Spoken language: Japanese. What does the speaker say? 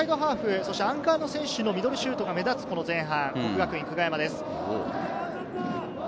そしてアンカーの選手のミドルシュートが目立つ前半、國學院久我山です。